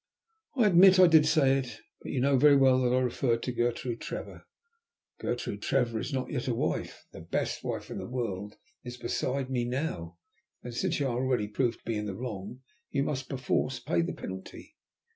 "I admit that I did say it; but you know very well that I referred to Gertrude Trevor!" "Gertrude Trevor is not yet a wife. The best wife in the world is beside me now; and since you are already proved to be in the wrong you must perforce pay the penalty."